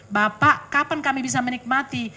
bapak kapan kami bisa menikmati